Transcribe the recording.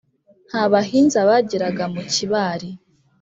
nta bahinza bagiraga mu kibari.